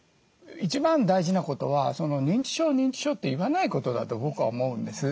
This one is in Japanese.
一番大事なことは認知症認知症って言わないことだと僕は思うんです。